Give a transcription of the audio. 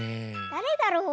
だれだろう？